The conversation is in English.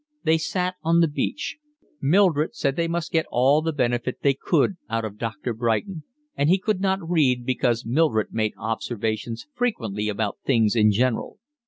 They sat on the beach. Mildred said they must get all the benefit they could out of Doctor Brighton, and he could not read because Mildred made observations frequently about things in general.